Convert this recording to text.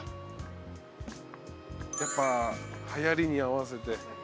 やっぱはやりに合わせて。